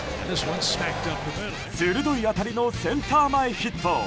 鋭い当たりのセンター前ヒット。